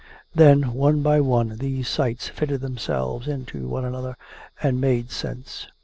Then, one by one, these sights fitted themselves into one another and made sense.